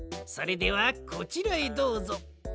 それではこちらへどうぞ。